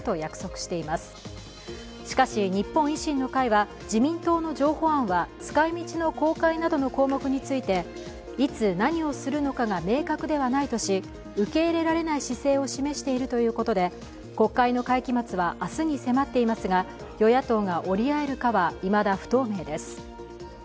しかし、日本維新の会は自民党の譲歩案は使い道の公開などの項目についていつ何をするのかが明確ではないとし受け入れられない姿勢を示しているということで国会の会期末は明日に迫っていますが、与野党が折り合えるかはいまだ不透明です。